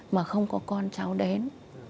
mà không có con cháu đến